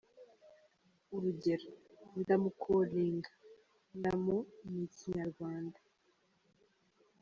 Urugero : “ndamukolinga”, ndamu- ni Ikinyarwanda.